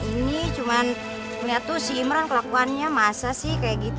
ini cuma ngeliat tuh si imran kelakuannya masa sih kayak gitu